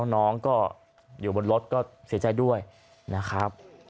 น้องก็อยู่บนรถก็เสียใจด้วยนะครับ